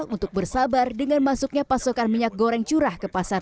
untuk bersabar dengan masuknya pasokan minyak goreng curah ke pasar